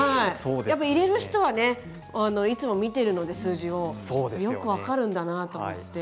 入れる人はいつも見ているので数字がよく分かるんだなと思って。